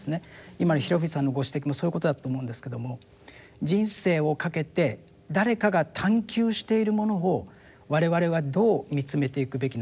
今の平藤さんのご指摘もそういうことだと思うんですけども人生をかけて誰かが探求しているものを我々はどう見つめていくべきなのかと。